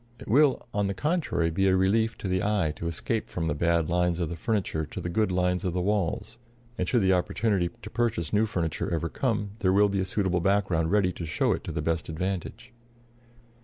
It will, on the contrary, be a relief to the eye to escape from the bad lines of the furniture to the good lines of the walls; and should the opportunity to purchase new furniture ever come, there will be a suitable background ready to show it to the best advantage.